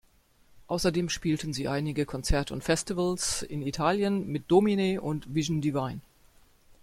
Außerdem spielten sie einige Konzerte und Festivals in Italien mit Domine und Vision Divine.